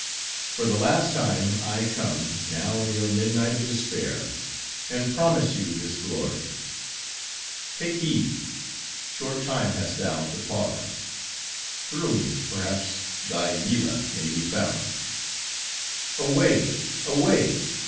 —For the last time I come; now, in your midnight of despair, and promise you this glory. Take heed! short time hast thou to pause; through me, perhaps, thy Yillah may be found." "Away! away!